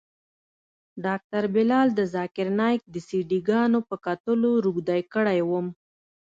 ډاکتر بلال د ذاکر نايک د سي ډي ګانو په کتلو روږدى کړى وم.